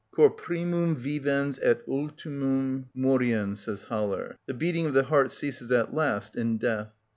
"Cor primum vivens et ultimum moriens," says Haller. The beating of the heart ceases at last in death.